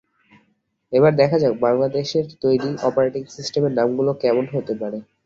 এবার দেখা যাক, বাংলাদেশের তৈরি অপারেটিং সিস্টেমের নামগুলো কেমন হতে পারে।